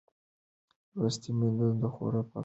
لوستې میندې د خوړو پاکوالی څاري.